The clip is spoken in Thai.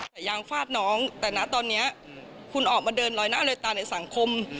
แต่ยางฟาดน้องแต่นะตอนนี้คุณออกมาเดินลอยหน้าลอยตาในสังคม